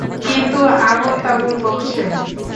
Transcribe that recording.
কিন্তু, আবুল-তাবুল বকছেন।